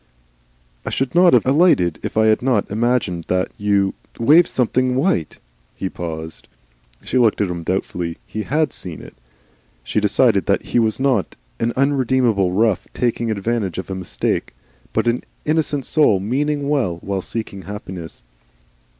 "I should not have alighted if I had not imagined that you er, waved something white " He paused. She looked at him doubtfully. He HAD seen it! She decided that he was not an unredeemed rough taking advantage of a mistake, but an innocent soul meaning well while seeking happiness.